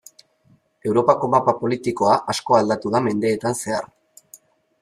Europako mapa politikoa asko aldatu da mendeetan zehar.